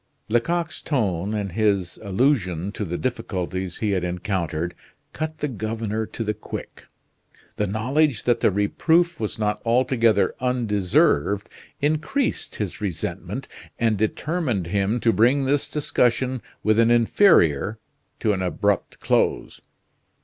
Lecoq's tone, and his allusion to the difficulties he had encountered, cut the governor to the quick. The knowledge that the reproof was not altogether undeserved increased his resentment and determined him to bring this discussion with an inferior to an abrupt close.